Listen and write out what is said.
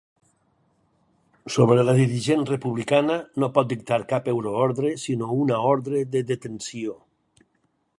Sobre la dirigent republicana no pot dictar cap euroordre, sinó una ordre de detenció.